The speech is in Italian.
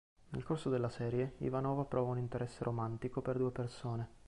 Nel corso della serie, Ivanova prova un interesse romantico per due persone.